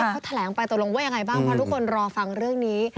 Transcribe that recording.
เขาแถลงไปตกลงว่ายังไงบ้างเพราะทุกคนรอฟังเรื่องนี้